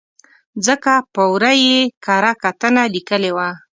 ځکه په ور ه یې کره کتنه لیکلې وه.